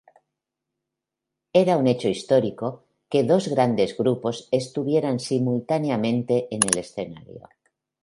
Era un hecho histórico que dos grandes grupos estuvieran simultáneamente en el escenario.